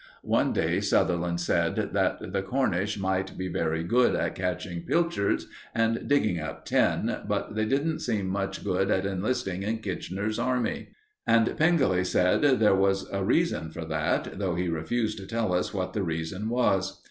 One day Sutherland said that the Cornish might be very good at catching pilchards and digging up tin, but they didn't seem much good at enlisting in Kitchener's Army. And Pengelly said there was a reason for that, though he refused to tell us what the reason was.